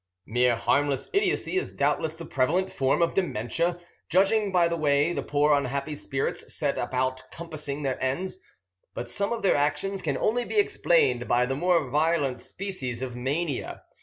Mere harmless idiocy is doubtless the prevalent form of dementia, judging by the way the poor unhappy spirits set about compassing their ends; but some of their actions can only be explained by the more violent species of mania.